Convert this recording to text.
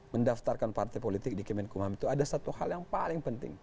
mendaftarkan partai politik di kemenkumham itu ada satu hal yang paling penting